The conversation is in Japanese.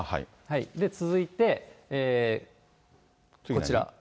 続いて、こちら。